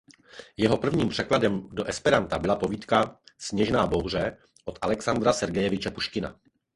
Jeho prvním překladem do esperanta byla povídka "Sněžná bouře" od Alexandra Sergejeviče Puškina.